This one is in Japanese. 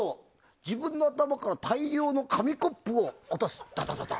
自分の頭から大量の紙コップを落とす。